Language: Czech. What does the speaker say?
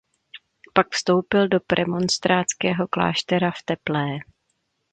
Pak vstoupil do premonstrátského kláštera v Teplé.